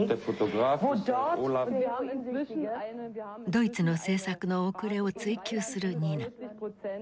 ドイツの政策の遅れを追及するニナ。